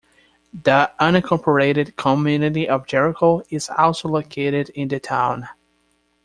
The unincorporated community of Jericho is also located in the town.